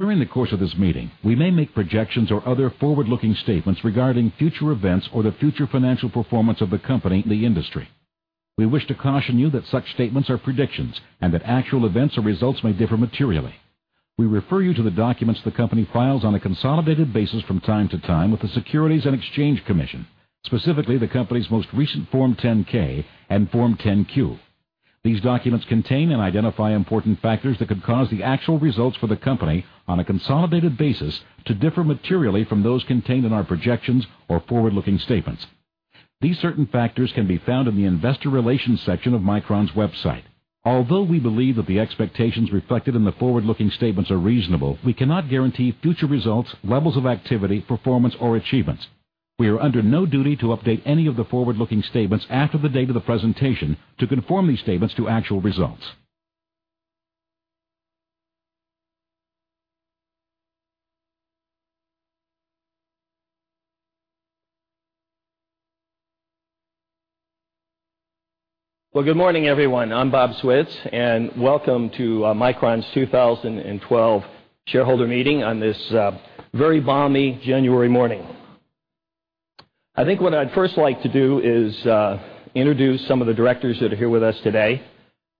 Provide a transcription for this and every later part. During the course of this meeting, we may make projections or other forward-looking statements regarding future events or the future financial performance of the company in the industry. We wish to caution you that such statements are predictions and that actual events or results may differ materially. We refer you to the documents the company files on a consolidated basis from time to time with the Securities and Exchange Commission, specifically the company's most recent Form 10-K and Form 10-Q. These documents contain and identify important factors that could cause the actual results for the company on a consolidated basis to differ materially from those contained in our projections or forward-looking statements. These certain factors can be found in the investor relations section of Micron's website. Although we believe that the expectations reflected in the forward-looking statements are reasonable, we cannot guarantee future results, levels of activity, performance, or achievements. We are under no duty to update any of the forward-looking statements after the date of the presentation to conform these statements to actual results. Well, good morning, everyone. I'm Bob Switz, welcome to Micron's 2012 shareholder meeting on this very balmy January morning. I think what I'd first like to do is introduce some of the Directors that are here with us today.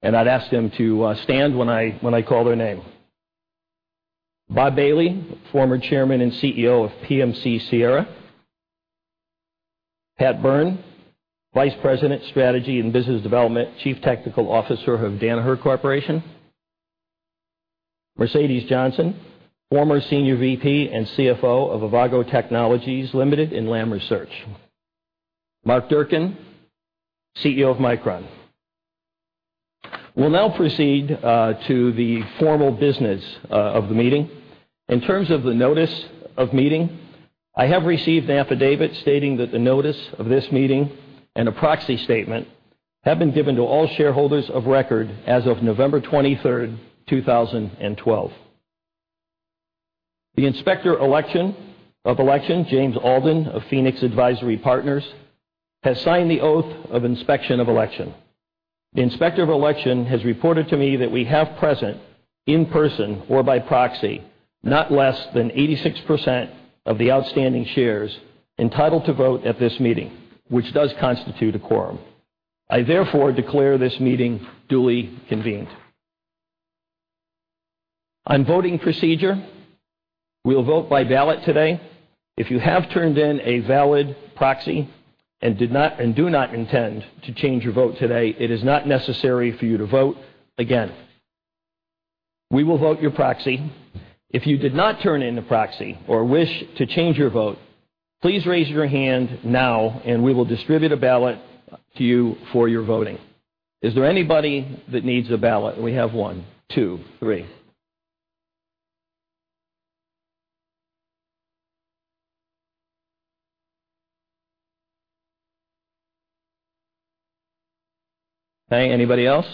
I'd ask them to stand when I call their name. Bob Bailey, former Chairman and CEO of PMC-Sierra. Pat Byrne, Vice President, Strategy and Business Development, Chief Technology Officer of Danaher Corporation. Mercedes Johnson, former Senior VP and CFO of Avago Technologies Limited and Lam Research. Mark Durcan, CEO of Micron. We'll now proceed to the formal business of the meeting. In terms of the notice of meeting, I have received an affidavit stating that the notice of this meeting and a proxy statement have been given to all shareholders of record as of November 23rd, 2012. The Inspector of Election, James Alden of Phoenix Advisory Partners, has signed the oath of inspection of election. The Inspector of Election has reported to me that we have present in person or by proxy, not less than 86% of the outstanding shares entitled to vote at this meeting, which does constitute a quorum. I therefore declare this meeting duly convened. On voting procedure, we'll vote by ballot today. If you have turned in a valid proxy and do not intend to change your vote today, it is not necessary for you to vote again. We will vote your proxy. If you did not turn in a proxy or wish to change your vote, please raise your hand now, we will distribute a ballot to you for your voting. Is there anybody that needs a ballot? We have one, two, three. Okay. Anybody else?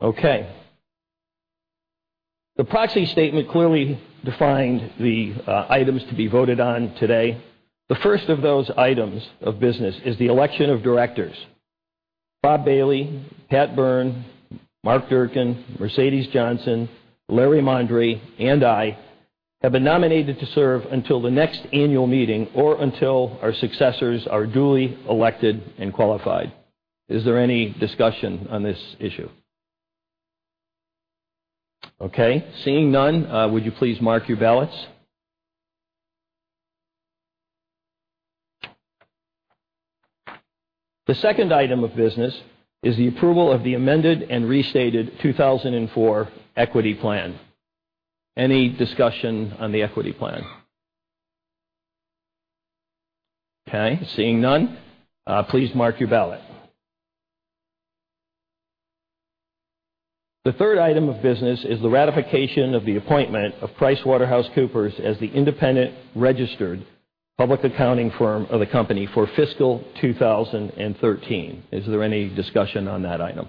Okay. The proxy statement clearly defined the items to be voted on today. The first of those items of business is the election of directors. Bob Bailey, Pat Byrne, Mark Durcan, Mercedes Johnson, Larry Mondry, and I have been nominated to serve until the next annual meeting or until our successors are duly elected and qualified. Is there any discussion on this issue? Okay. Seeing none, would you please mark your ballots? The second item of business is the approval of the amended and restated 2004 Equity Incentive Plan. Any discussion on the equity plan? Okay. Seeing none, please mark your ballot. The third item of business is the ratification of the appointment of PricewaterhouseCoopers as the independent registered public accounting firm of the company for fiscal 2013. Is there any discussion on that item?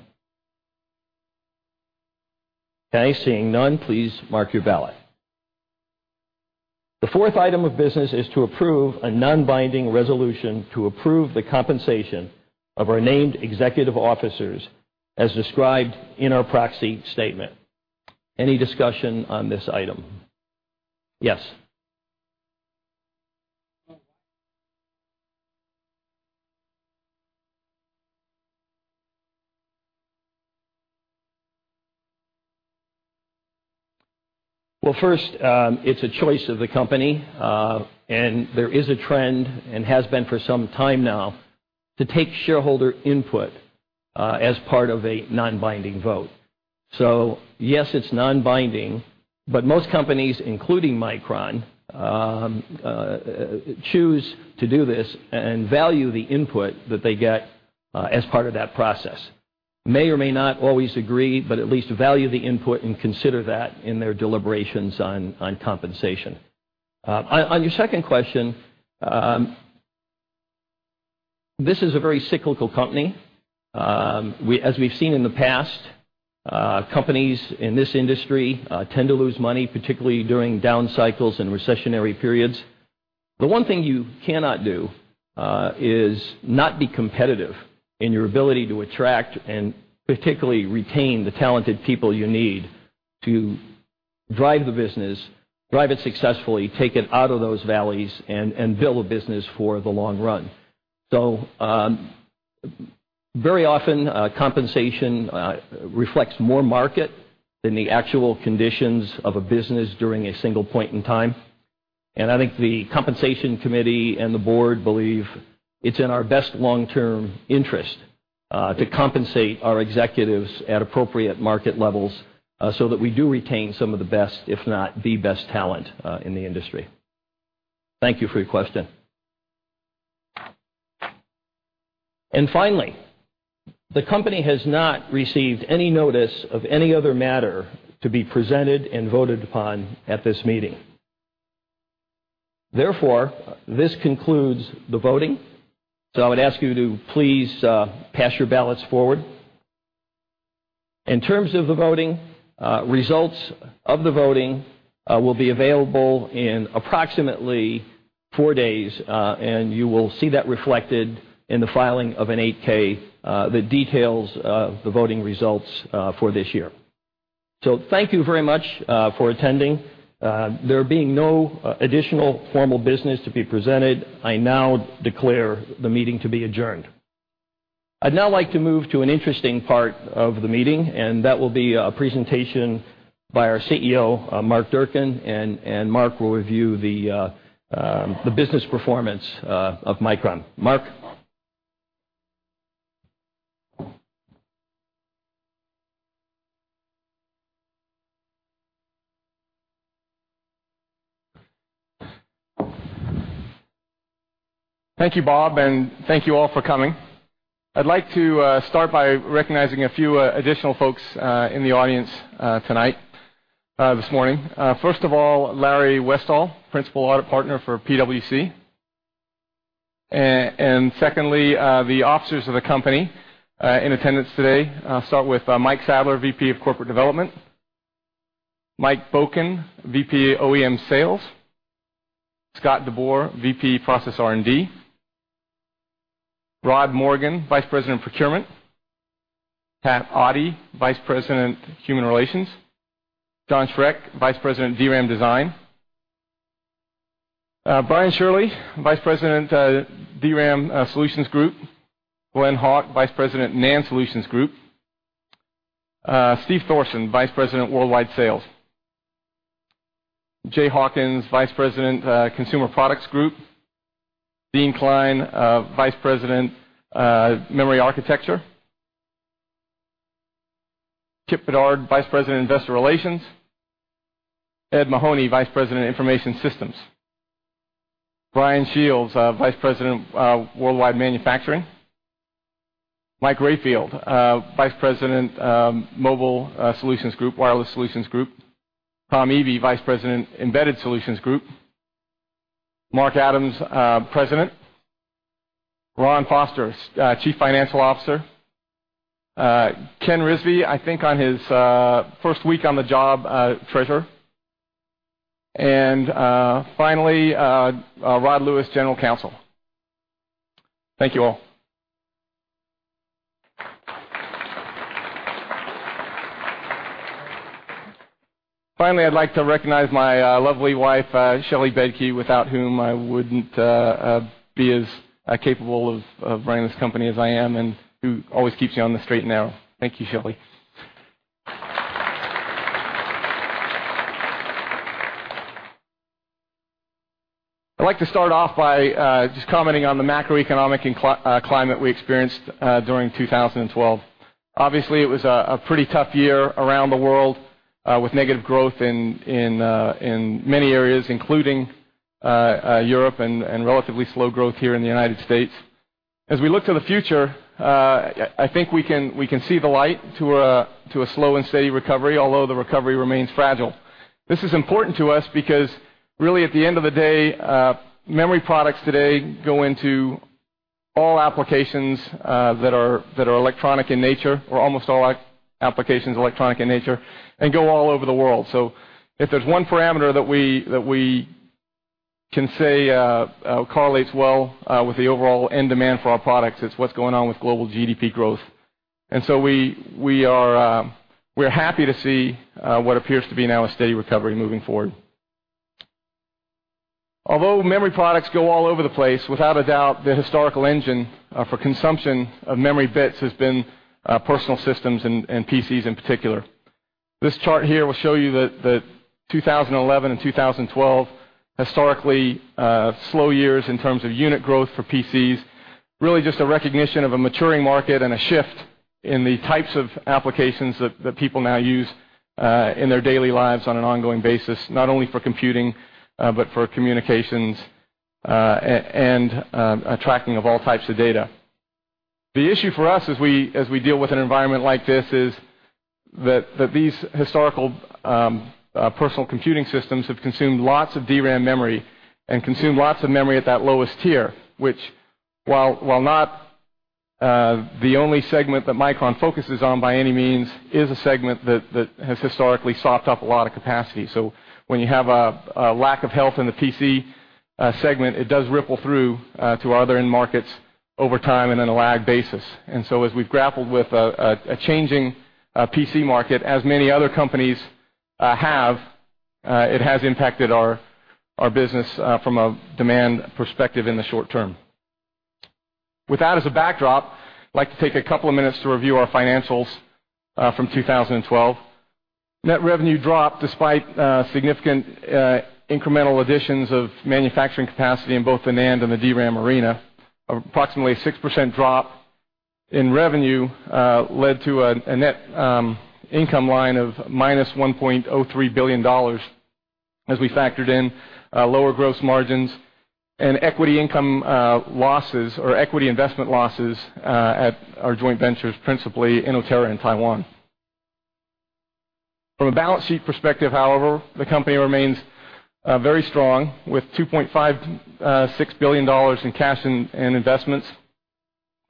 Okay. Seeing none, please mark your ballot. The fourth item of business is to approve a non-binding resolution to approve the compensation of our named executive officers as described in our proxy statement. Any discussion on this item? Yes. First, it's a choice of the company, and there is a trend and has been for some time now to take shareholder input as part of a non-binding vote. Yes, it's non-binding, but most companies, including Micron, choose to do this and value the input that they get as part of that process. May or may not always agree, but at least value the input and consider that in their deliberations on compensation. On your second question, this is a very cyclical company. As we've seen in the past, companies in this industry tend to lose money, particularly during down cycles and recessionary periods. The one thing you cannot do is not be competitive in your ability to attract and particularly retain the talented people you need to drive the business, drive it successfully, take it out of those valleys, and build a business for the long run. Very often, compensation reflects more market than the actual conditions of a business during a single point in time. I think the compensation committee and the board believe it's in our best long-term interest to compensate our executives at appropriate market levels so that we do retain some of the best, if not the best talent, in the industry. Thank you for your question. Finally, the company has not received any notice of any other matter to be presented and voted upon at this meeting. Therefore, this concludes the voting. I would ask you to please pass your ballots forward. In terms of the voting, results of the voting will be available in approximately four days, and you will see that reflected in the filing of an 8-K that details the voting results for this year. Thank you very much for attending. There being no additional formal business to be presented, I now declare the meeting to be adjourned. I'd now like to move to an interesting part of the meeting, and that will be a presentation by our CEO, Mark Durcan, and Mark will review the business performance of Micron. Mark. Thank you, Bob, thank you all for coming. I'd like to start by recognizing a few additional folks in the audience tonight, this morning. First of all, Larry Westall, Principal Audit Partner, PwC. Secondly, the officers of the company in attendance today. I'll start with Mike Sadler, VP of Corporate Development. Mike Bokan, VP OEM Sales. Scott DeBoer, VP Process R&D. Rod Morgan, Vice President of Procurement. Pat Otte, Vice President, Human Resources. John Schreck, Vice President, DRAM Design. Brian Shirley, Vice President, DRAM Solutions Group. Glen Hawk, Vice President, NAND Solutions Group. Steve Thorsen, Vice President, Worldwide Sales. Jay Hawkins, Vice President, Consumer Products Group. Dean Klein, Vice President, Memory Architecture. Kip Bedard, Vice President, Investor Relations. Ed Mahoney, Vice President, Information Systems. Brian Shields, Vice President, Worldwide Manufacturing. Mike Rayfield, Vice President, Mobile Solutions Group, Wireless Solutions Group. Tom Eby, Vice President, Embedded Solutions Group. Mark Adams, President. Ron Foster, Chief Financial Officer. Ken Rizvi, I think on his first week on the job, Treasurer. Finally, Rod Lewis, General Counsel. Thank you all. Finally, I'd like to recognize my lovely wife, Shelley Bedke, without whom I wouldn't be as capable of running this company as I am and who always keeps me on the straight and narrow. Thank you, Shelley. I'd like to start off by just commenting on the macroeconomic climate we experienced during 2012. Obviously, it was a pretty tough year around the world with negative growth in many areas, including Europe, and relatively slow growth here in the U.S. As we look to the future, I think we can see the light to a slow and steady recovery, although the recovery remains fragile. This is important to us because, really, at the end of the day, memory products today go into all applications that are electronic in nature, or almost all applications electronic in nature, and go all over the world. If there's one parameter that we can say correlates well with the overall end demand for our products, it's what's going on with global GDP growth. We're happy to see what appears to be now a steady recovery moving forward. Although memory products go all over the place, without a doubt, the historical engine for consumption of memory bits has been personal systems and PCs in particular. This chart here will show you that 2011 and 2012, historically, slow years in terms of unit growth for PCs. Really just a recognition of a maturing market and a shift in the types of applications that people now use in their daily lives on an ongoing basis, not only for computing but for communications and tracking of all types of data. The issue for us as we deal with an environment like this is that these historical personal computing systems have consumed lots of DRAM memory and consumed lots of memory at that lowest tier, which while not the only segment that Micron focuses on by any means is a segment that has historically soaked up a lot of capacity. When you have a lack of health in the PC segment, it does ripple through to other end markets over time and on a lag basis. As we've grappled with a changing PC market, as many other companies have, it has impacted our business from a demand perspective in the short term. With that as a backdrop, I'd like to take a couple of minutes to review our financials from 2012. Net revenue dropped despite significant incremental additions of manufacturing capacity in both the NAND and the DRAM arena. Approximately 6% drop in revenue led to a net income line of -$1.03 billion, as we factored in lower gross margins and equity investment losses at our joint ventures, principally Inotera in Taiwan. From a balance sheet perspective, however, the company remains very strong with $2.56 billion in cash and investments,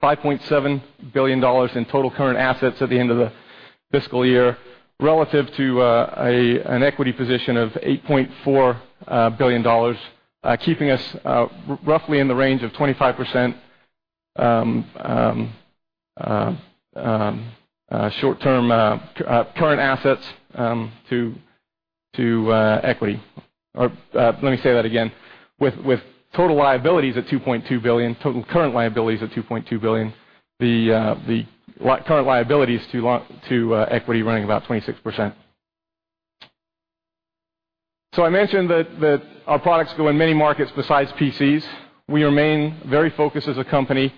$5.7 billion in total current assets at the end of the fiscal year relative to an equity position of $8.4 billion, keeping us roughly in the range of 25% short-term current assets to equity. Or let me say that again, with total current liabilities of $2.2 billion, the current liabilities to equity running about 26%. I mentioned that our products go in many markets besides PCs. We remain very focused as a company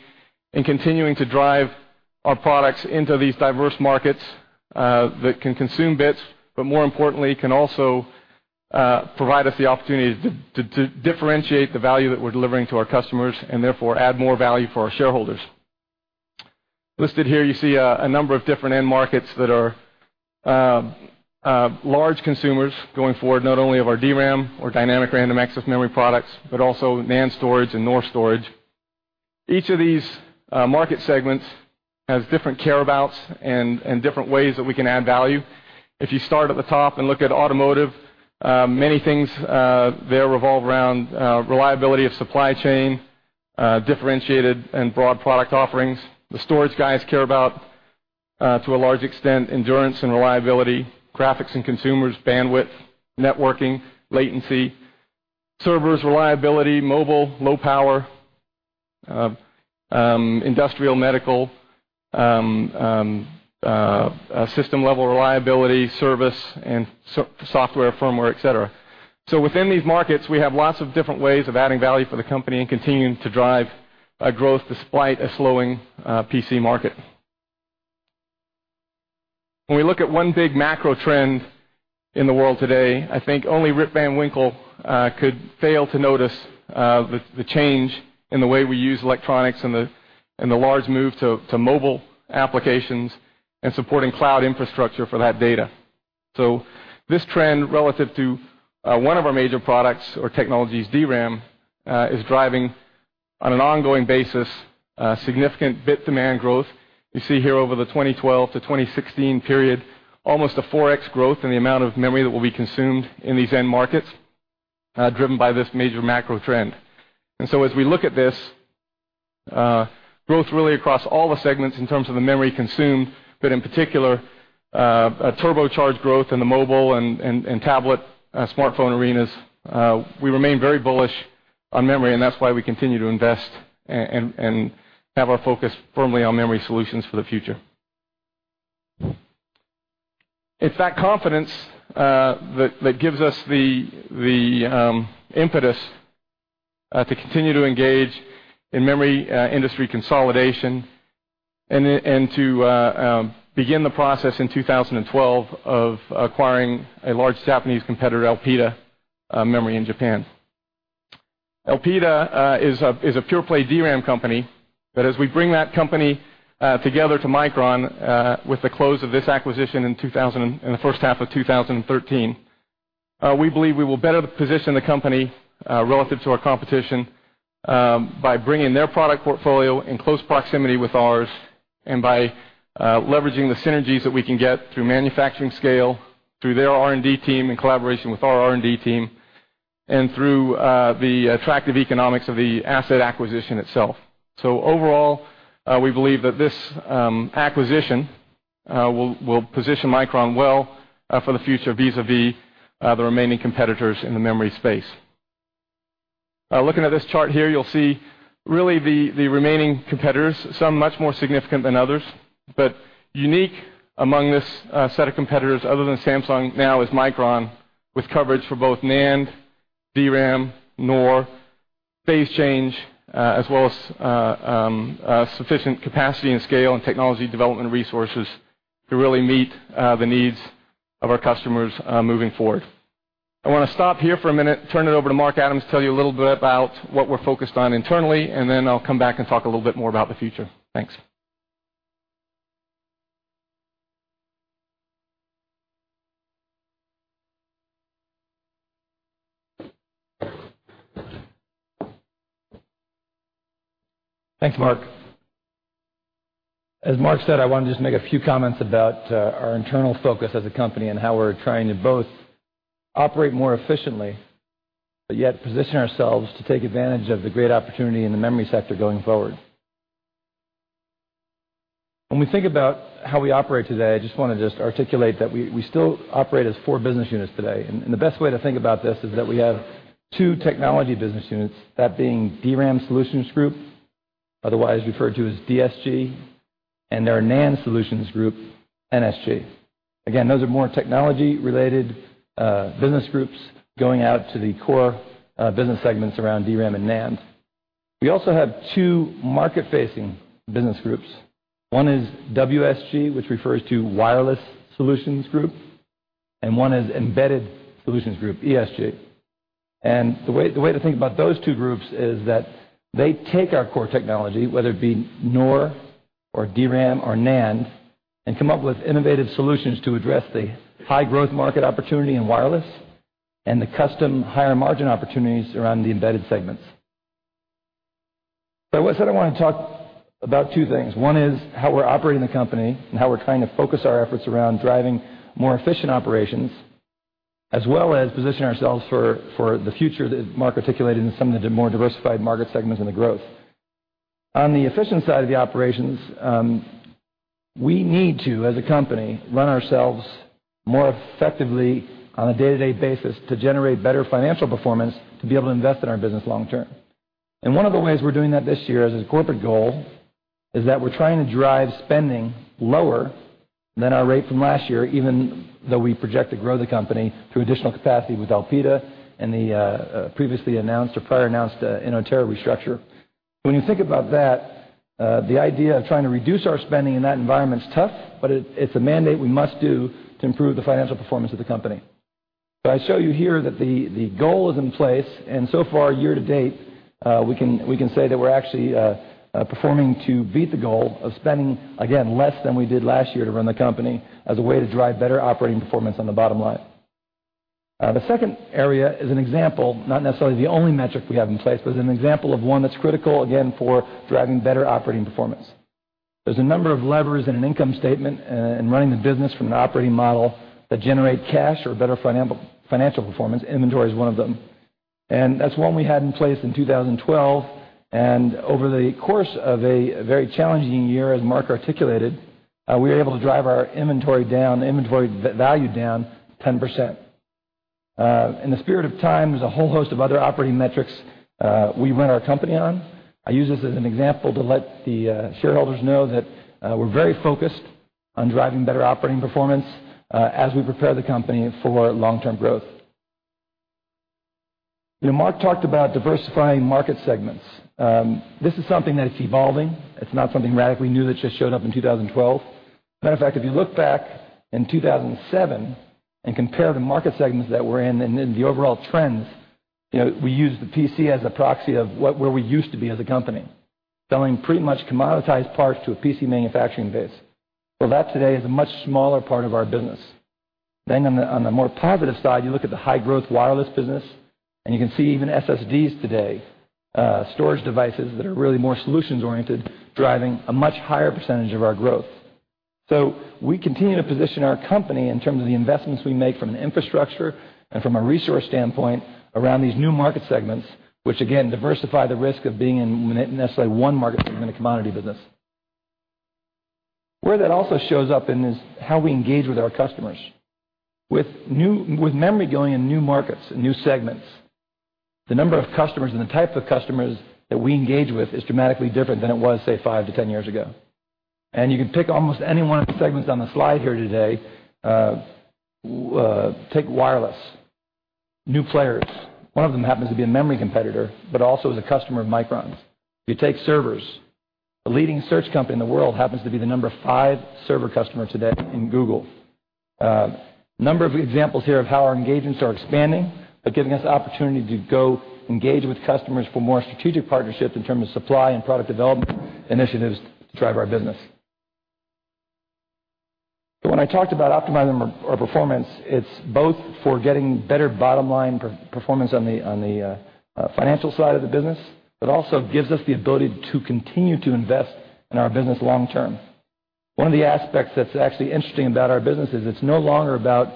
in continuing to drive our products into these diverse markets, that can consume bits, but more importantly, can also provide us the opportunity to differentiate the value that we're delivering to our customers and therefore add more value for our shareholders. Listed here, you see a number of different end markets that are large consumers going forward, not only of our DRAM or dynamic random access memory products, but also NAND storage and NOR storage. Each of these market segments has different care abouts and different ways that we can add value. If you start at the top and look at automotive, many things there revolve around reliability of supply chain, differentiated and broad product offerings. The storage guys care about, to a large extent, endurance and reliability, graphics and consumers, bandwidth, networking, latency, servers, reliability, mobile, low power, industrial, medical, system-level reliability, service and software, firmware, et cetera. Within these markets, we have lots of different ways of adding value for the company and continuing to drive growth despite a slowing PC market. When we look at one big macro trend in the world today, I think only Rip Van Winkle could fail to notice the change in the way we use electronics and the large move to mobile applications and supporting cloud infrastructure for that data. This trend relative to one of our major products or technologies, DRAM, is driving on an ongoing basis, significant bit demand growth. You see here over the 2012 to 2016 period, almost a 4x growth in the amount of memory that will be consumed in these end markets, driven by this major macro trend. As we look at this, growth really across all the segments in terms of the memory consumed, but in particular, a turbocharged growth in the mobile and tablet, smartphone arenas. We remain very bullish on memory. That's why we continue to invest and have our focus firmly on memory solutions for the future. That confidence gives us the impetus to continue to engage in memory industry consolidation and to begin the process in 2012 of acquiring a large Japanese competitor, Elpida Memory in Japan. Elpida is a pure-play DRAM company. As we bring that company together to Micron, with the close of this acquisition in the first half of 2013, we believe we will better position the company, relative to our competition, by bringing their product portfolio in close proximity with ours and by leveraging the synergies that we can get through manufacturing scale, through their R&D team in collaboration with our R&D team, and through the attractive economics of the asset acquisition itself. Overall, we believe that this acquisition will position Micron well for the future vis-à-vis the remaining competitors in the memory space. Looking at this chart here, you'll see really the remaining competitors, some much more significant than others. Unique among this set of competitors other than Samsung now is Micron, with coverage for both NAND, DRAM, NOR, phase-change, as well as sufficient capacity and scale and technology development resources to really meet the needs of our customers moving forward. I want to stop here for a minute, turn it over to Mark Adams, tell you a little bit about what we're focused on internally. Then I'll come back and talk a little bit more about the future. Thanks. Thanks, Mark. As Mark said, I want to just make a few comments about our internal focus as a company and how we're trying to both operate more efficiently, yet position ourselves to take advantage of the great opportunity in the memory sector going forward. When we think about how we operate today, I just want to articulate that we still operate as four business units today. The best way to think about this is that we have two technology business units, that being DRAM Solutions Group, otherwise referred to as DSG, and our NAND Solutions Group, NSG. Again, those are more technology-related business groups going out to the core business segments around DRAM and NAND. We also have two market-facing business groups. One is WSG, which refers to Wireless Solutions Group, and one is Embedded Solutions Group, ESG. The way to think about those two groups is that they take our core technology, whether it be NOR or DRAM or NAND, and come up with innovative solutions to address the high-growth market opportunity in wireless and the custom higher-margin opportunities around the embedded segments. I said I want to talk about two things. One is how we're operating the company and how we're trying to focus our efforts around driving more efficient operations, as well as position ourselves for the future that Mark articulated in some of the more diversified market segments and the growth. On the efficient side of the operations, we need to, as a company, run ourselves more effectively on a day-to-day basis to generate better financial performance to be able to invest in our business long term. One of the ways we're doing that this year as a corporate goal is that we're trying to drive spending lower than our rate from last year, even though we project to grow the company through additional capacity with Elpida and the previously announced or prior announced Inotera restructure. When you think about that, the idea of trying to reduce our spending in that environment is tough, but it's a mandate we must do to improve the financial performance of the company. I show you here that the goal is in place, and so far, year-to-date, we can say that we're actually performing to beat the goal of spending, again, less than we did last year to run the company as a way to drive better operating performance on the bottom line. The second area is an example, not necessarily the only metric we have in place, but an example of one that's critical, again, for driving better operating performance. There's a number of levers in an income statement in running the business from an operating model that generate cash or better financial performance. Inventory is one of them. That's one we had in place in 2012, and over the course of a very challenging year, as Mark articulated, we were able to drive our inventory value down 10%. In the spirit of time, there's a whole host of other operating metrics we run our company on. I use this as an example to let the shareholders know that we're very focused on driving better operating performance as we prepare the company for long-term growth. Mark talked about diversifying market segments. This is something that is evolving. It's not something radically new that just showed up in 2012. Matter of fact, if you look back in 2007 and compare the market segments that we're in and the overall trends, we use the PC as a proxy of where we used to be as a company, selling pretty much commoditized parts to a PC manufacturing base. That today is a much smaller part of our business. On the more positive side, you look at the high-growth wireless business, and you can see even SSDs today, storage devices that are really more solutions-oriented, driving a much higher percentage of our growth. We continue to position our company in terms of the investments we make from an infrastructure and from a resource standpoint around these new market segments, which again, diversify the risk of being in necessarily one market segment commodity business. Where that also shows up in is how we engage with our customers. With memory going in new markets and new segments, the number of customers and the type of customers that we engage with is dramatically different than it was, say, five to 10 years ago. You can pick almost any one of the segments on the slide here today. Take wireless. New players. One of them happens to be a memory competitor, but also is a customer of Micron's. If you take servers, the leading search company in the world happens to be the number 5 server customer today in Google. A number of examples here of how our engagements are expanding, but giving us the opportunity to go engage with customers for more strategic partnerships in terms of supply and product development initiatives to drive our business. When I talked about optimizing our performance, it's both for getting better bottom-line performance on the financial side of the business, but also gives us the ability to continue to invest in our business long term. One of the aspects that's actually interesting about our business is it's no longer about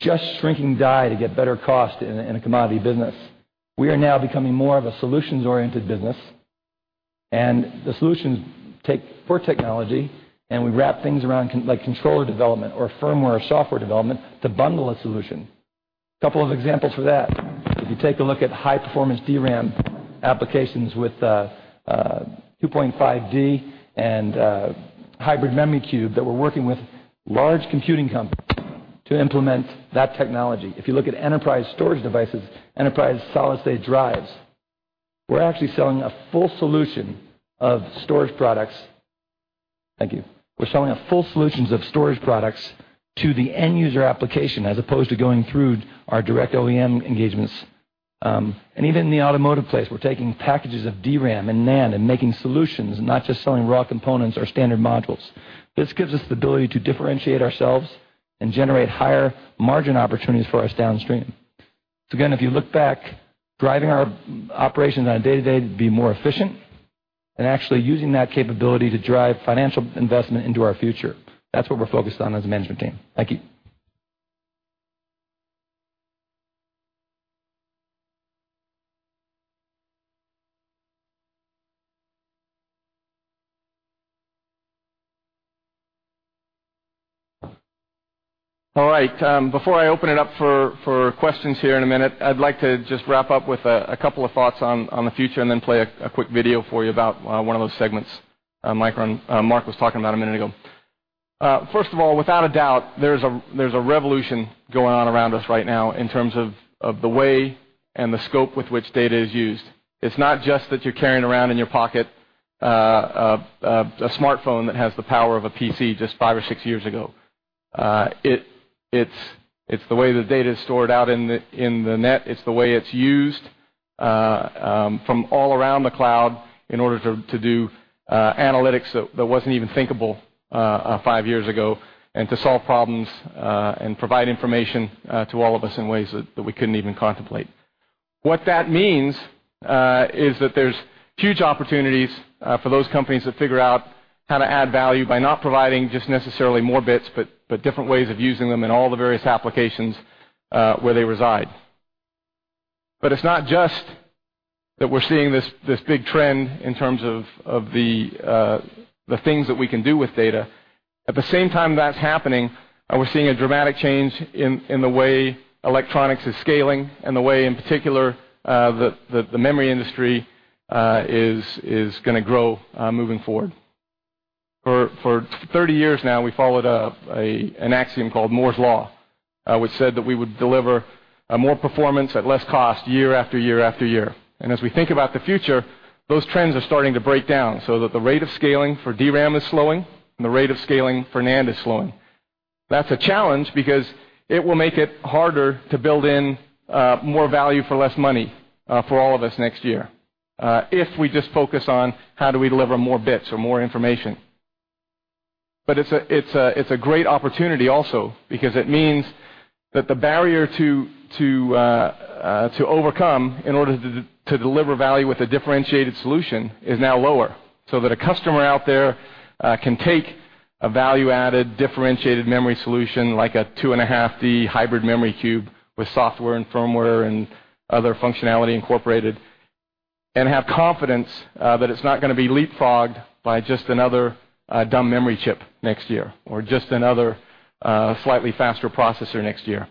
just shrinking die to get better cost in a commodity business. We are now becoming more of a solutions-oriented business. The solutions take core technology, and we wrap things around, like controller development or firmware or software development to bundle a solution. Couple of examples for that. If you take a look at high-performance DRAM applications with 2.5D and Hybrid Memory Cube that we're working with large computing companies to implement that technology. If you look at enterprise storage devices, enterprise solid-state drives, we're actually selling a full solution of storage products. Thank you. We're selling a full solutions of storage products to the end-user application as opposed to going through our direct OEM engagements. Even in the automotive place, we're taking packages of DRAM and NAND and making solutions, not just selling raw components or standard modules. This gives us the ability to differentiate ourselves and generate higher margin opportunities for us downstream. Again, if you look back, driving our operations on a day-to-day to be more efficient and actually using that capability to drive financial investment into our future, that's what we're focused on as a management team. Thank you. All right. Before I open it up for questions here in a minute, I'd like to just wrap up with a couple of thoughts on the future and then play a quick video for you about one of those segments Mark was talking about a minute ago. First of all, without a doubt, there's a revolution going on around us right now in terms of the way and the scope with which data is used. It's not just that you're carrying around in your pocket a smartphone that has the power of a PC just five or six years ago. It's the way the data is stored out in the net, it's the way it's used from all around the cloud in order to do analytics that wasn't even thinkable five years ago, and to solve problems and provide information to all of us in ways that we couldn't even contemplate. What that means is that there's huge opportunities for those companies that figure out how to add value by not providing just necessarily more bits, but different ways of using them in all the various applications where they reside. It's not just that we're seeing this big trend in terms of the things that we can do with data. At the same time that's happening, we're seeing a dramatic change in the way electronics is scaling and the way, in particular, the memory industry is going to grow moving forward. For 30 years now, we followed an axiom called Moore's Law, which said that we would deliver more performance at less cost year after year after year. As we think about the future, those trends are starting to break down so that the rate of scaling for DRAM is slowing and the rate of scaling for NAND is slowing. That's a challenge because it will make it harder to build in more value for less money for all of us next year, if we just focus on how do we deliver more bits or more information. It's a great opportunity also because it means that the barrier to overcome in order to deliver value with a differentiated solution is now lower, so that a customer out there can take a value-added, differentiated memory solution like a 2.5D Hybrid Memory Cube with software and firmware and other functionality incorporated and have confidence that it's not going to be leapfrogged by just another dumb memory chip next year or just another slightly faster processor next year.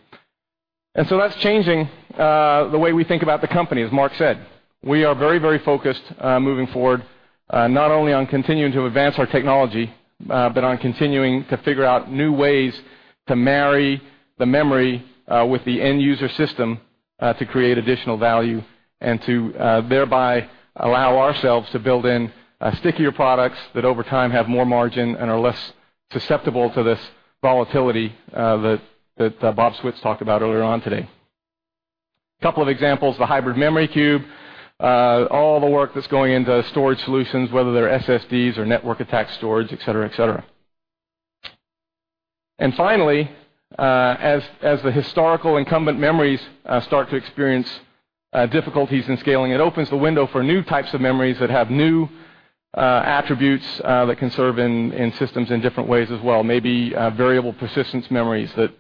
That's changing the way we think about the company, as Mark said. We are very focused, moving forward, not only on continuing to advance our technology but on continuing to figure out new ways to marry the memory with the end-user system to create additional value and to thereby allow ourselves to build in stickier products that over time have more margin and are less susceptible to this volatility that Bob Switz talked about earlier on today. A couple of examples, the Hybrid Memory Cube, all the work that's going into storage solutions, whether they're SSDs or network attached storage, et cetera. Finally, as the historical incumbent memories start to experience difficulties in scaling, it opens the window for new types of memories that have new attributes, that can serve in systems in different ways as well. Maybe variable persistence memories that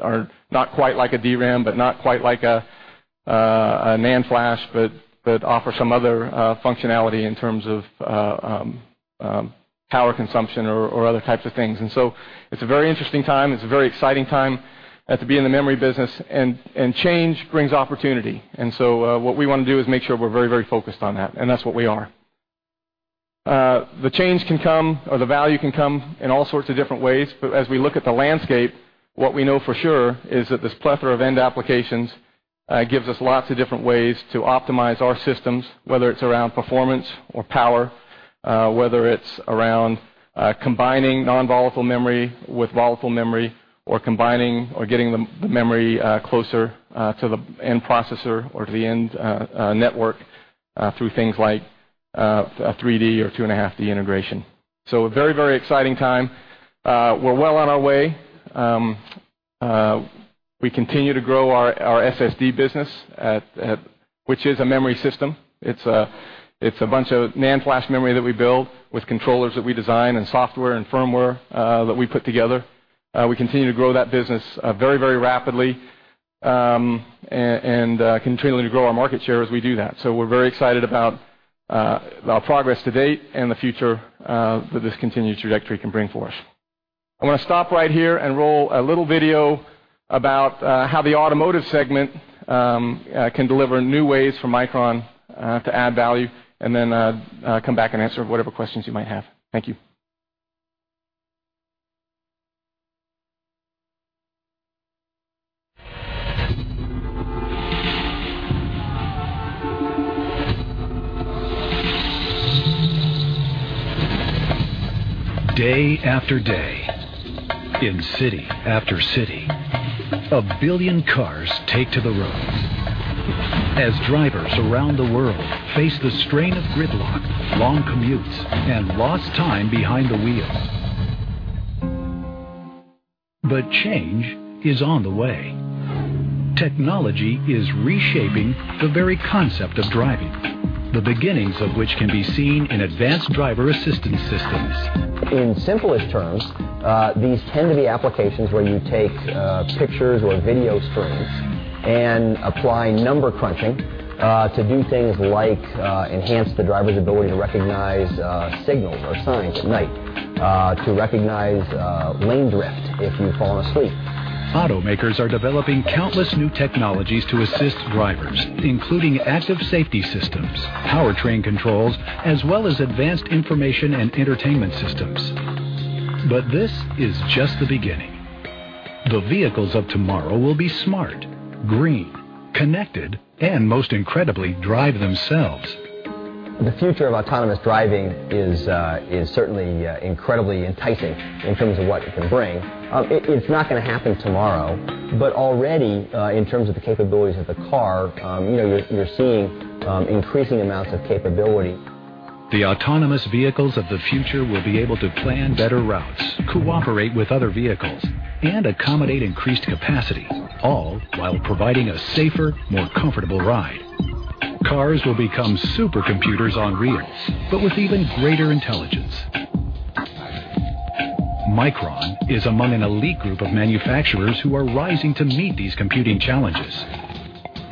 are not quite like a DRAM, but not quite like a NAND flash, but offer some other functionality in terms of power consumption or other types of things. It's a very interesting time. It's a very exciting time to be in the memory business. Change brings opportunity. What we want to do is make sure we're very focused on that, and that's what we are. The change can come or the value can come in all sorts of different ways. As we look at the landscape, what we know for sure is that this plethora of end applications gives us lots of different ways to optimize our systems, whether it's around performance or power, whether it's around combining non-volatile memory with volatile memory, or combining or getting the memory closer to the end processor or to the end network through things like 3D or 2.5D integration. A very exciting time. We're well on our way. We continue to grow our SSD business, which is a memory system. It's a bunch of NAND flash memory that we build with controllers that we design and software and firmware that we put together. Continuing to grow that business very rapidly, and continuing to grow our market share as we do that. We're very excited about the progress to date and the future that this continued trajectory can bring for us. I'm going to stop right here and roll a little video about how the automotive segment can deliver new ways for Micron to add value, and then come back and answer whatever questions you might have. Thank you. Day after day, in city after city, 1 billion cars take to the roads as drivers around the world face the strain of gridlock, long commutes, and lost time behind the wheel. Change is on the way. Technology is reshaping the very concept of driving, the beginnings of which can be seen in advanced driver assistance systems. In simplest terms, these tend to be applications where you take pictures or video streams and apply number crunching to do things like enhance the driver's ability to recognize signals or signs at night, to recognize lane drift if you've fallen asleep. Automakers are developing countless new technologies to assist drivers, including active safety systems, powertrain controls, as well as advanced information and entertainment systems. This is just the beginning. The vehicles of tomorrow will be smart, green, connected, and most incredibly, drive themselves. The future of autonomous driving is certainly incredibly enticing in terms of what it can bring. It's not going to happen tomorrow, but already, in terms of the capabilities of the car, you're seeing increasing amounts of capability. The autonomous vehicles of the future will be able to plan better routes, cooperate with other vehicles, and accommodate increased capacity, all while providing a safer, more comfortable ride. Cars will become supercomputers on wheels, but with even greater intelligence. Micron is among an elite group of manufacturers who are rising to meet these computing challenges.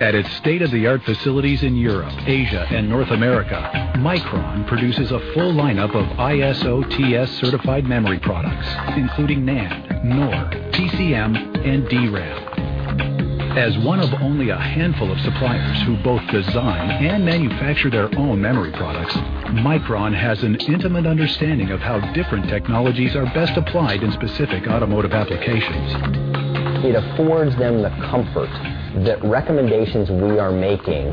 At its state-of-the-art facilities in Europe, Asia, and North America, Micron produces a full lineup of ISO TS-certified memory products, including NAND, NOR, PCM, and DRAM. As one of only a handful of suppliers who both design and manufacture their own memory products, Micron has an intimate understanding of how different technologies are best applied in specific automotive applications. It affords them the comfort that recommendations we are making,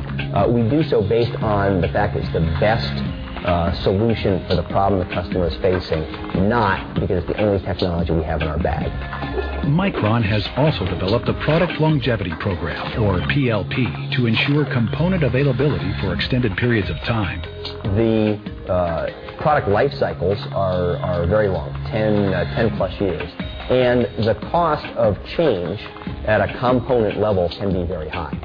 we do so based on the fact it's the best solution for the problem the customer is facing, not because it's the only technology we have in our bag. Micron has also developed a Product Longevity Program, or PLP, to ensure component availability for extended periods of time. The product life cycles are very long, 10-plus years, and the cost of change at a component level can be very high.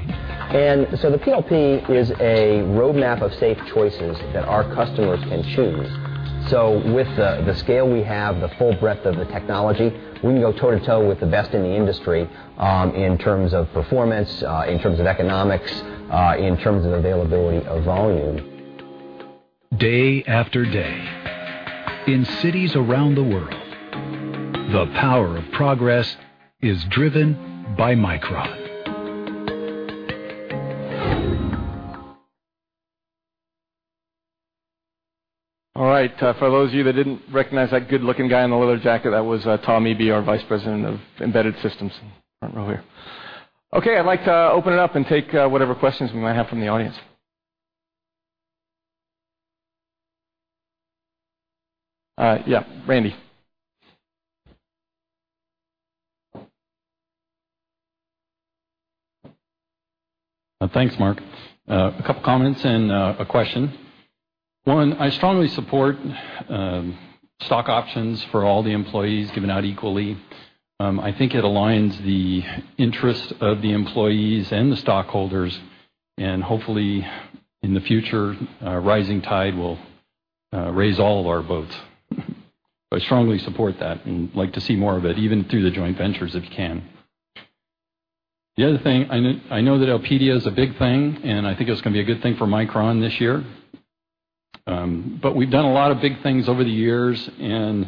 The PLP is a roadmap of safe choices that our customers can choose. With the scale we have, the full breadth of the technology, we can go toe to toe with the best in the industry, in terms of performance, in terms of economics, in terms of availability of volume. Day after day, in cities around the world, the power of progress is driven by Micron. All right. For those of you that didn't recognize that good-looking guy in the leather jacket, that was Tom Eby, our vice president of embedded systems. Front row here. I'd like to open it up and take whatever questions we might have from the audience. Yeah, Randy. Thanks, Mark. A couple comments and a question. One, I strongly support stock options for all the employees given out equally. I think it aligns the interests of the employees and the stockholders, and hopefully in the future, a rising tide will raise all of our boats. I strongly support that and like to see more of it, even through the joint ventures, if you can. The other thing, I know that Elpida is a big thing, and I think it's going to be a good thing for Micron this year. We've done a lot of big things over the years, and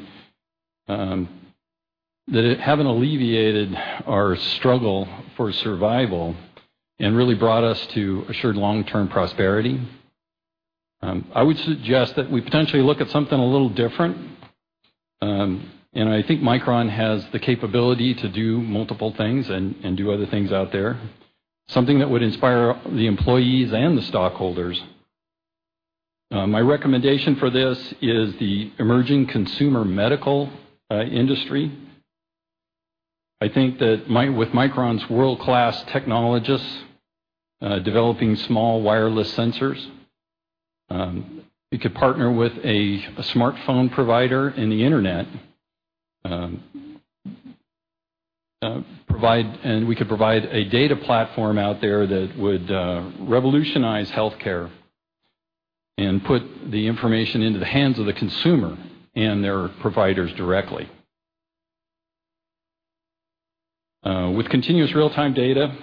that it haven't alleviated our struggle for survival and really brought us to assured long-term prosperity. I would suggest that we potentially look at something a little different. I think Micron has the capability to do multiple things and do other things out there. Something that would inspire the employees and the stockholders. My recommendation for this is the emerging consumer medical industry. I think that with Micron's world-class technologists developing small wireless sensors, we could partner with a smartphone provider and the internet, we could provide a data platform out there that would revolutionize healthcare and put the information into the hands of the consumer and their providers directly. With continuous real-time data,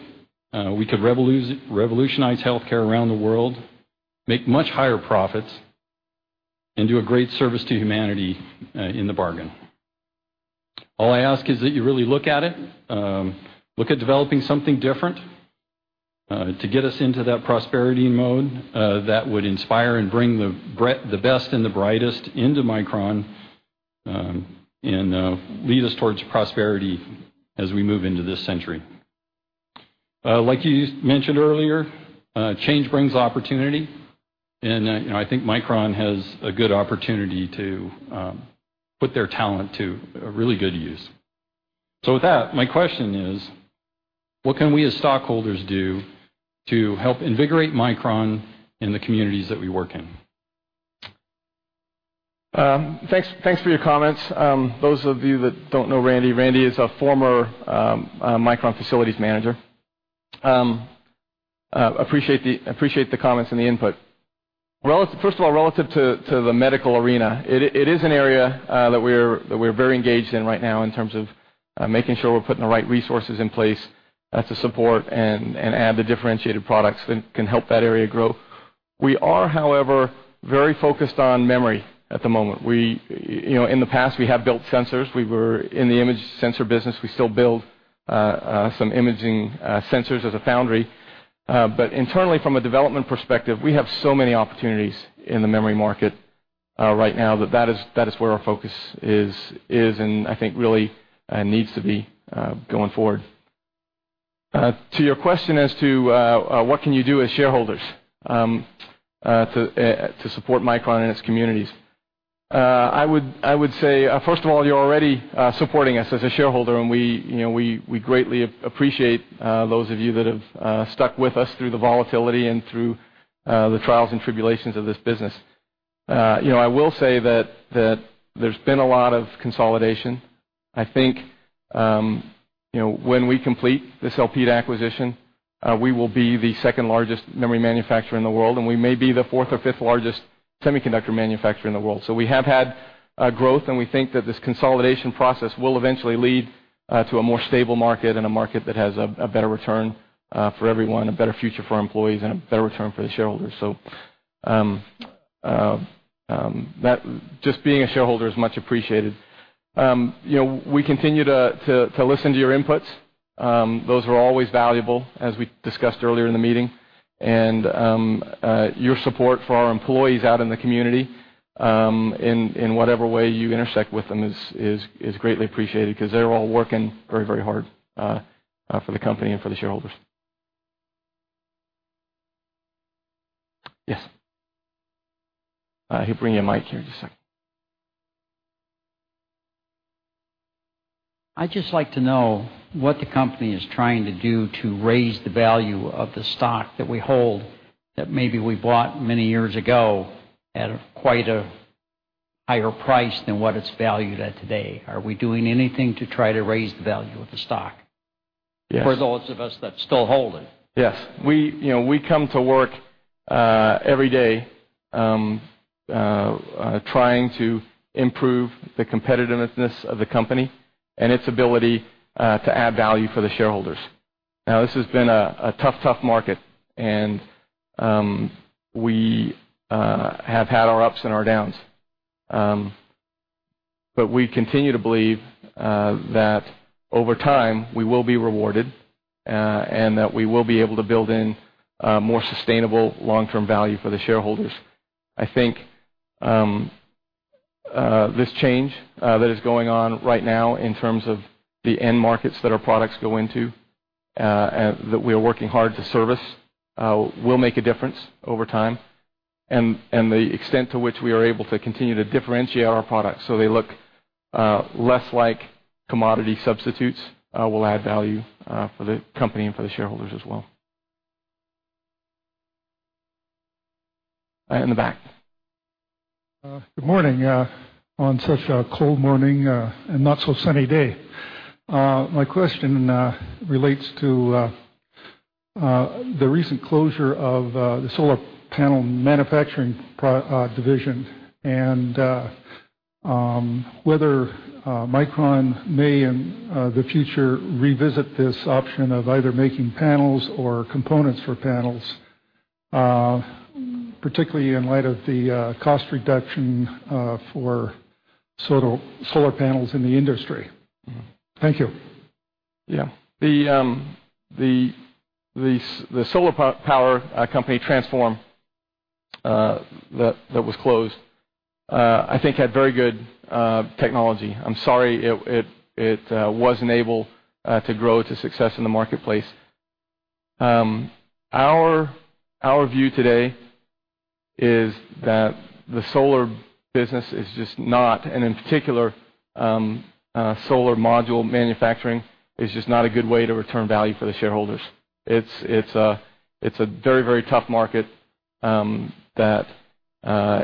we could revolutionize healthcare around the world, make much higher profits, and do a great service to humanity in the bargain. All I ask is that you really look at it. Look at developing something different to get us into that prosperity mode that would inspire and bring the best and the brightest into Micron, lead us towards prosperity as we move into this century. Like you mentioned earlier, change brings opportunity. I think Micron has a good opportunity to put their talent to a really good use. With that, my question is, what can we as stockholders do to help invigorate Micron in the communities that we work in? Thanks for your comments. Those of you that don't know Randy is a former Micron facilities manager. Appreciate the comments and the input. First of all, relative to the medical arena, it is an area that we're very engaged in right now in terms of making sure we're putting the right resources in place to support and add the differentiated products that can help that area grow. We are, however, very focused on memory at the moment. In the past, we have built sensors. We were in the image sensor business. We still build some imaging sensors as a foundry. Internally, from a development perspective, we have so many opportunities in the memory market right now that that is where our focus is, and I think really needs to be going forward. To your question as to what can you do as shareholders to support Micron and its communities, I would say, first of all, you're already supporting us as a shareholder, and we greatly appreciate those of you that have stuck with us through the volatility and through the trials and tribulations of this business. I will say that there's been a lot of consolidation. I think when we complete this Elpida acquisition, we will be the second-largest memory manufacturer in the world, and we may be the fourth or fifth largest semiconductor manufacturer in the world. We have had growth, and we think that this consolidation process will eventually lead to a more stable market and a market that has a better return for everyone, a better future for our employees, and a better return for the shareholders. Just being a shareholder is much appreciated. We continue to listen to your inputs. Those are always valuable, as we discussed earlier in the meeting. Your support for our employees out in the community, in whatever way you intersect with them, is greatly appreciated because they're all working very hard for the company and for the shareholders. Yes. He'll bring you a mic here in just a second. I'd just like to know what the company is trying to do to raise the value of the stock that we hold, that maybe we bought many years ago at quite a higher price than what it's valued at today. Are we doing anything to try to raise the value of the stock? Yes For those of us that still hold it? Yes. We come to work every day trying to improve the competitiveness of the company and its ability to add value for the shareholders. This has been a tough market, we have had our ups and our downs. We continue to believe that over time, we will be rewarded and that we will be able to build in more sustainable long-term value for the shareholders. I think this change that is going on right now in terms of the end markets that our products go into, that we are working hard to service, will make a difference over time. The extent to which we are able to continue to differentiate our products so they look less like commodity substitutes will add value for the company and for the shareholders as well. In the back. Good morning. On such a cold morning and not so sunny day. My question relates to the recent closure of the solar panel manufacturing division and whether Micron may, in the future, revisit this option of either making panels or components for panels, particularly in light of the cost reduction for solar panels in the industry. Thank you. The solar power company, Transform, that was closed, I think had very good technology. I'm sorry it wasn't able to grow to success in the marketplace. Our view today is that the solar business is just not, and in particular, solar module manufacturing, is just not a good way to return value for the shareholders. It's a very tough market that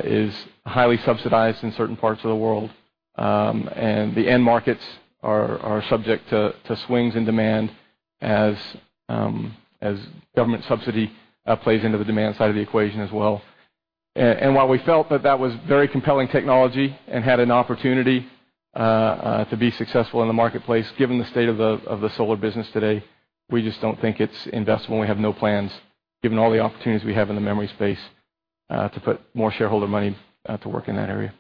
is highly subsidized in certain parts of the world. The end markets are subject to swings in demand as government subsidy plays into the demand side of the equation as well. While we felt that that was very compelling technology and had an opportunity to be successful in the marketplace, given the state of the solar business today, we just don't think it's investable, and we have no plans, given all the opportunities we have in the memory space, to put more shareholder money to work in that area.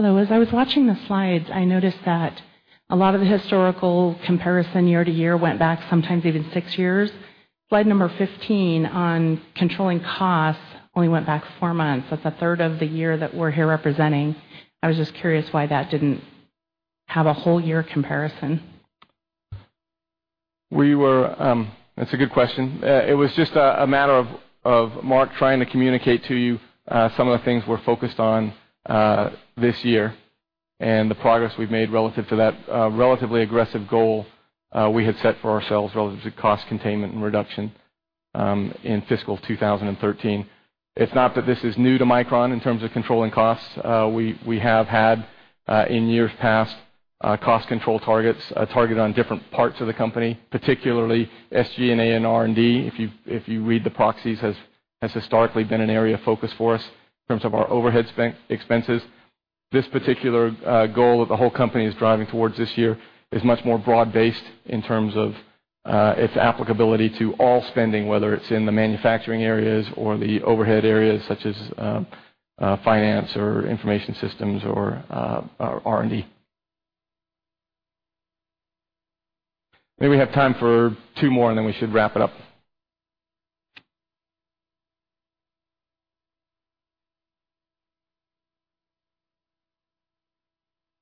Hello. As I was watching the slides, I noticed that a lot of the historical comparison year-over-year went back sometimes even six years. Slide number 15 on controlling costs only went back four months. That's a third of the year that we're here representing. I was just curious why that didn't have a whole year comparison. That's a good question. It was just a matter of Mark trying to communicate to you some of the things we're focused on this year and the progress we've made relative to that relatively aggressive goal we had set for ourselves relative to cost containment and reduction in fiscal 2013. It's not that this is new to Micron in terms of controlling costs. We have had, in years past, cost control targets, a target on different parts of the company, particularly SG&A and R&D. If you read the proxies, has historically been an area of focus for us in terms of our overhead expenses. This particular goal that the whole company is driving towards this year is much more broad-based in terms of its applicability to all spending, whether it's in the manufacturing areas or the overhead areas such as finance or Information Systems or R&D. Maybe we have time for two more, then we should wrap it up.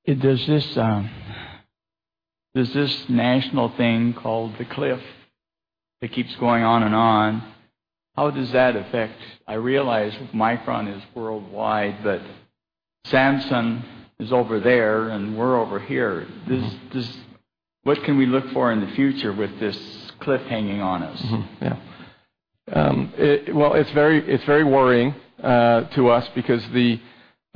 Does this national thing called the cliff that keeps going on and on, how does that affect? I realize Micron is worldwide, Samsung is over there, we're over here. What can we look for in the future with this cliff hanging on us? Well, it's very worrying to us because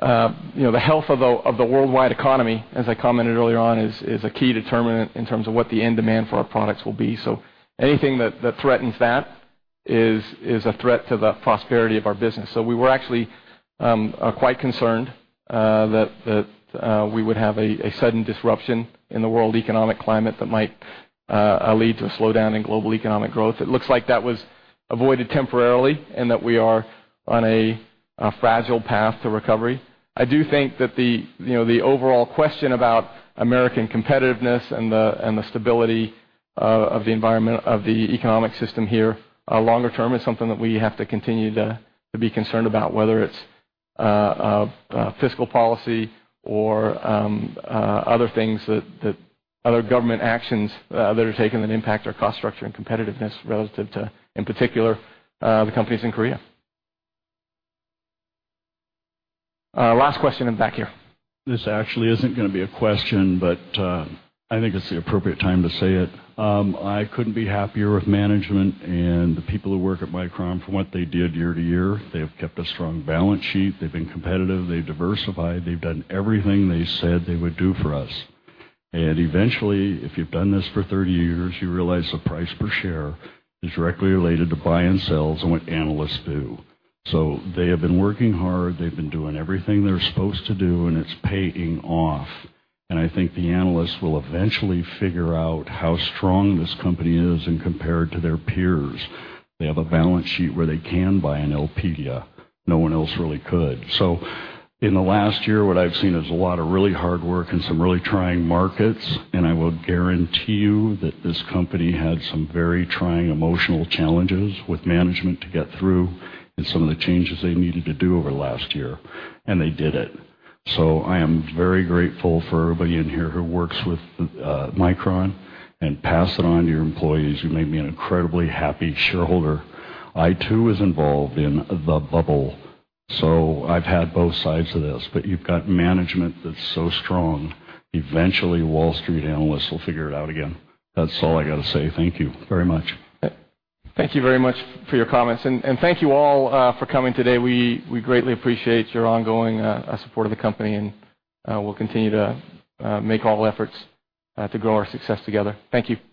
the health of the worldwide economy, as I commented earlier on, is a key determinant in terms of what the end demand for our products will be. Anything that threatens that is a threat to the prosperity of our business. We were actually quite concerned that we would have a sudden disruption in the world economic climate that might lead to a slowdown in global economic growth. It looks like that was avoided temporarily and that we are on a fragile path to recovery. I do think that the overall question about American competitiveness and the stability of the environment of the economic system here longer term is something that we have to continue to be concerned about, whether it's fiscal policy or other things, other government actions that are taken that impact our cost structure and competitiveness relative to, in particular, the companies in Korea. Last question in the back here. This actually isn't going to be a question, but I think it's the appropriate time to say it. I couldn't be happier with management and the people who work at Micron for what they did year to year. They have kept a strong balance sheet. They've been competitive. They've diversified. They've done everything they said they would do for us. Eventually, if you've done this for 30 years, you realize the price per share is directly related to buy and sells and what analysts do. They have been working hard. They've been doing everything they're supposed to do, and it's paying off. I think the analysts will eventually figure out how strong this company is and compare it to their peers. They have a balance sheet where they can buy an Elpida. No one else really could. In the last year, what I've seen is a lot of really hard work and some really trying markets, and I will guarantee you that this company had some very trying emotional challenges with management to get through and some of the changes they needed to do over the last year, and they did it. I am very grateful for everybody in here who works with Micron and pass it on to your employees. You've made me an incredibly happy shareholder. I, too, was involved in the bubble. I've had both sides of this, but you've got management that's so strong. Eventually, Wall Street analysts will figure it out again. That's all I got to say. Thank you very much. Thank you very much for your comments. Thank you all for coming today. We greatly appreciate your ongoing support of the company, and we'll continue to make all efforts to grow our success together. Thank you.